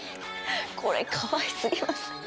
これかわい過ぎません？